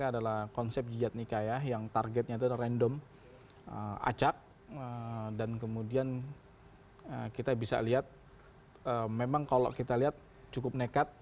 dan kemudian kemudian kita bisa lihat memang kalau kita lihat cukup nekat